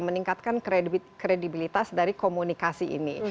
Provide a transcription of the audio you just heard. meningkatkan kredibilitas dari komunikasi ini